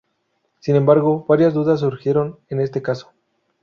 Sin embargo, varias dudas surgieron en este caso.